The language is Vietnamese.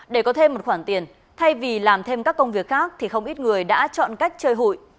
để có thêm một khoản tiền thay vì làm thêm các công việc khác thì không ít người đã chọn cách chơi hụi